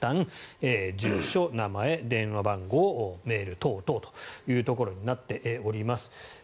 令和５年、元旦住所、名前、電話番号メールアドレス等々というところになっております。